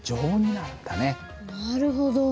なるほど。